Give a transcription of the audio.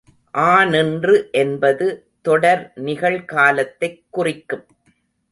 ஆநின்று என்பது தொடர் நிகழ்காலத்தைக் குறிக்கும்.